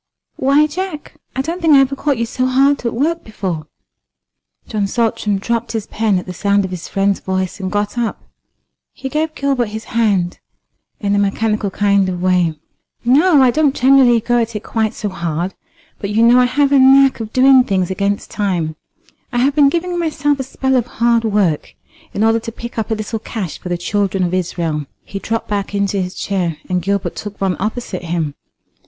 "Why, Jack, I don't think I ever caught you so hard at work before." John Saltram dropped his pen at the sound of his friend's voice and got up. He gave Gilbert his hand in a mechanical kind of way. "No, I don't generally go at it quite so hard; but you know I have a knack of doing things against time. I have been giving myself a spell of hard work in order to pick up a little cash for the children of Israel." He dropped back into his chair, and Gilbert took one opposite him.